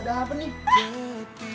zah anjay ini kenapa